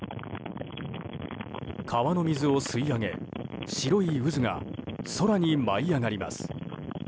川の水を吸い上げ白い渦が空に舞い上がります。